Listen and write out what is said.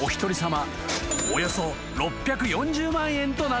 およそ６４０万円となっております］